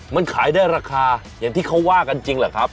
มันขายได้ราคาอย่างที่เขาว่ากันจริงเหรอครับ